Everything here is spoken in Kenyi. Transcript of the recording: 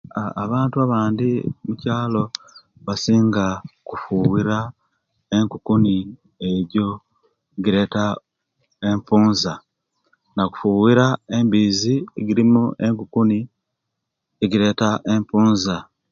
Abantu abandi mukyalo basinga kufuwira ekukuni ejo egireta enfunza afuwira embizi egirimu enkukuni egireta enfunza